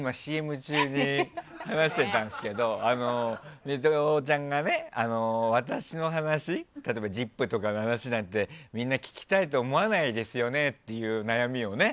今、ＣＭ中に話してたんですけどミトちゃんが、私の話例えば「ＺＩＰ！」の話なんてみんな聞きたいと思わないですよねっていう悩みをね。